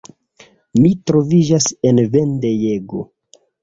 Mi troviĝas en vendejego.